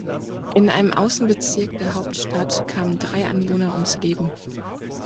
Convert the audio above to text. In einem Außenbezirk der Hauptstadt kamen drei Anwohner ums Leben.